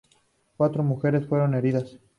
Cuatro mujeres fueron heridas.